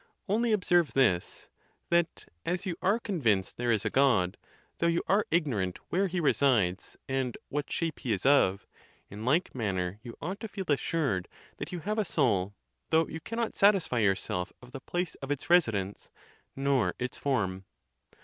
Only ob serve this, that as you are convinced there is a God, though 40 THE TUSCULAN DISPUTATIONS. you are ignorant where he resides, and what shape he is of; in like manner you ought to feel assured that you have a soul, though you cannot satisfy yourself of the place of its residence, nor its form.